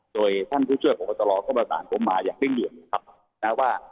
โดยท่านผู้ช่วยของโฆษณ์รอบก็ประตานผมมาอย่างเรื่องเดียวครับนะว่า